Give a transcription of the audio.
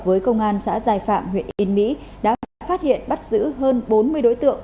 với công an xã giai phạm huyện yên mỹ đã phát hiện bắt giữ hơn bốn mươi đối tượng